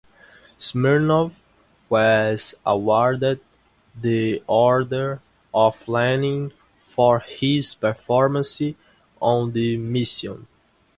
Smirnov was awarded the Order of Lenin for his performance on the mission.